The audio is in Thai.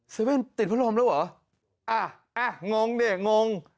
เว่นติดพัดลมแล้วเหรออ่ะงงดิงง